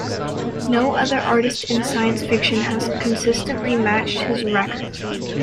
No other artist in science fiction has consistently matched his record.